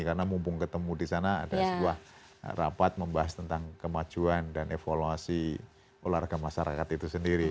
karena mumpung ketemu di sana ada sebuah rapat membahas tentang kemajuan dan evaluasi olahraga masyarakat itu sendiri